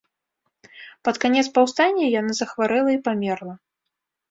Пад канец паўстання яна захварэла і памерла.